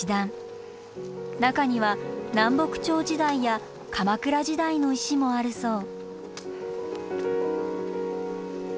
中には南北朝時代や鎌倉時代の石もあるそう。